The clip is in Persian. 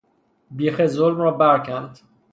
بیخ ظلم را برکند